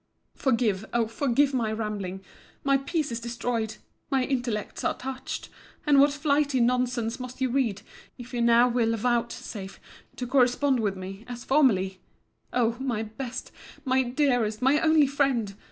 Forgive, O forgive my rambling. My peace is destroyed. My intellects are touched. And what flighty nonsense must you read, if you now will vouchsafe to correspond with me, as formerly! O my best, my dearest, my only friend!